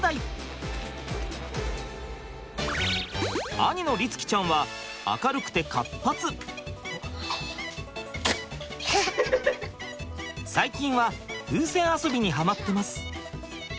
兄の律貴ちゃんは最近は風船遊びにハマってます。